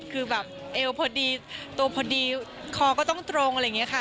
คือแบบเอวพอดีตัวพอดีคอก็ต้องตรงอะไรอย่างนี้ค่ะ